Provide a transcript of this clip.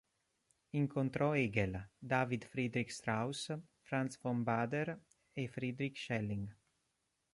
Incontrò Hegel, David Friedrich Strauß, Franz von Baader e Friedrich Schelling.